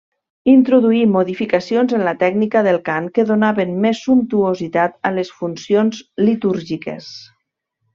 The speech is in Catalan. Introduí modificacions en la tècnica del cant que donaven més sumptuositat a les funcions litúrgiques.